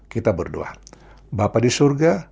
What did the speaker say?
kita berdoa bapak disurga